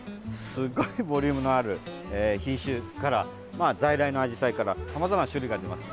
すごいボリュームのある品種から在来のアジサイからさまざまな種類が出ます。